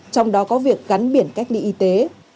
trong đó có việc gắn biển cách ly y tế